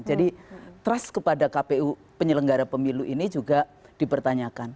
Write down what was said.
jadi trust kepada kpu penyelenggara pemilu ini juga dipertanyakan